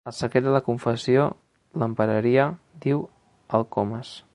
El secret de la confessió l'empararia —diu el Comas.